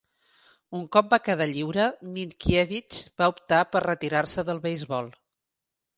Un cop va quedar lliure, Mientkiewicz va optar per retirar-se del beisbol.